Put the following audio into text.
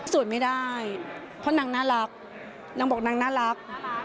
ไม่ได้เพราะนางน่ารักนางบอกนางน่ารัก